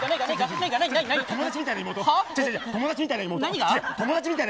違う、友達みたいな妹。